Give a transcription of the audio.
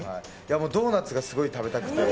ドーナツがすごい食べたくて。